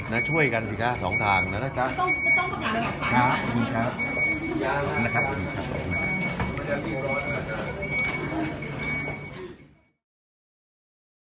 แล้วช่วยกันสิครับสองทางนะครับครับขอบคุณครับ